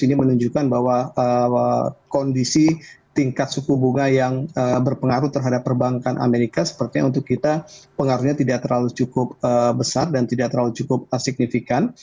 ini menunjukkan bahwa kondisi tingkat suku bunga yang berpengaruh terhadap perbankan amerika sepertinya untuk kita pengaruhnya tidak terlalu cukup besar dan tidak terlalu cukup signifikan